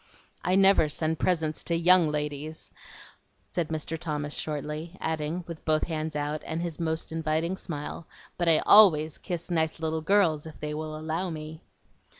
"I never send presents to YOUNG ladies," said Mr. Thomas shortly, adding, with both hands out, and his most inviting smile, "But I ALWAYS kiss nice little girls if they will allow me?"